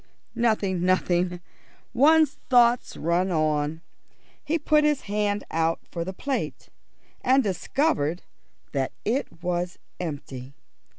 "Nothing, nothing. One's thoughts run on." He put his hand out for the plate, and discovered that it was empty.